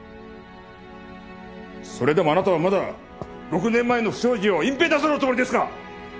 それでもあなたはまだ６年前の不祥事を隠蔽なさるおつもりですか？